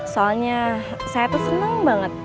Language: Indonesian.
soalnya saya tuh senang banget